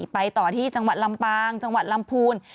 ไปต่อที่จังหวัดลำปางจังหวัดลำพูน